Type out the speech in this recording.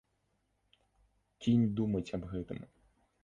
Кінь думаць аб гэтым.